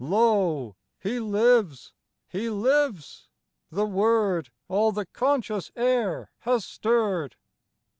Lo ! He lives ! He lives ! The word All the conscious air has stirred.